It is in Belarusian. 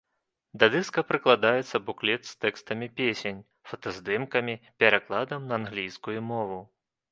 Да дыска прыкладаецца буклет з тэкстамі песень, фотаздымкамі, перакладам на англійскую мову.